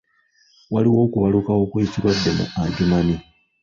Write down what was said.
Waliwo okubalukawo kw'ekirwadde mu Adjumani.